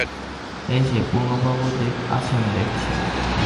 এই-যে পূর্ণবাবুও আছেন দেখছি!